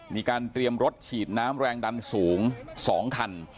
มีการเตรียมรถฉีดน้ำแรงดันสูง๒คัน